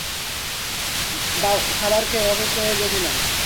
খাবার খেয়ে অসুস্থ হয়ে গেছিলাম।